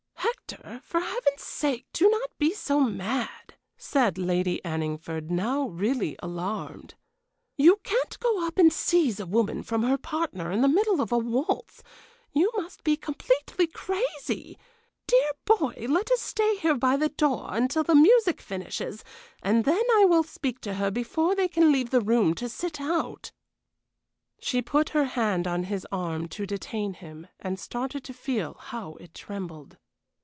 "Hector, for Heaven's sake do not be so mad," said Lady Anningford, now really alarmed. "You can't go up and seize a woman from her partner in the middle of a waltz. You must be completely crazy! Dear boy, let us stay here by the door until the music finishes, and then I will speak to her before they can leave the room to sit out." She put her hand on his arm to detain him, and started to feel how it trembled.